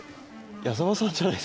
矢澤さんじゃないですか。